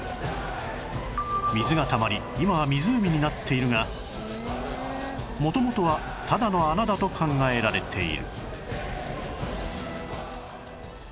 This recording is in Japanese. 水がたまり今は湖になっているが元々はただの穴だと考えられている